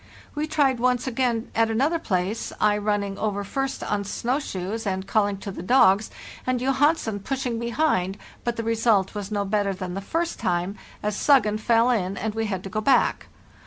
We tried once again at another place, I running over first on snow shoes and calling to the dogs, and Johansen pushing behind, but the result was no better than the first time, as 'Suggen' fell in, and we had to go back.